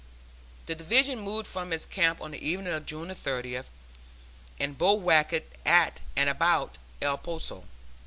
The Division moved from its camp on the evening of June 30th, and bivouacked at and about El Poso.